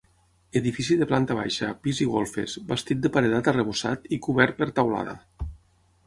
Edifici de planta baixa, pis i golfes, bastit de paredat arrebossat i cobert per teulada.